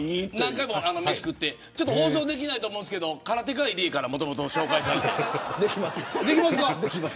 何回か飯食って放送できないと思うんですけどカラテカの入江からもともと紹介されて。